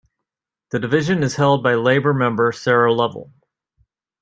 The division is held by Labor member Sarah Lovell.